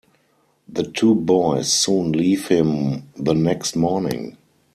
The two boys soon leave him the next morning.